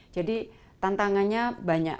jadi tantangannya banyak